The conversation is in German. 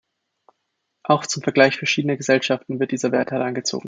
Auch zum Vergleich verschiedener Gesellschaften wird dieser Wert herangezogen.